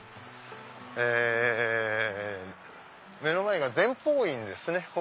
え目の前が伝法院ですね。